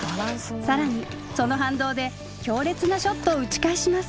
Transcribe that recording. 更にその反動で強烈なショットを打ち返します。